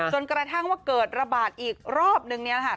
จนกระทั่งว่าเกิดระบาดอีกรอบนึง